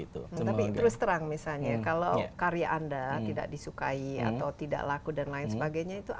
tapi terus terang misalnya kalau karya anda tidak disukai atau tidak laku dan lain sebagainya itu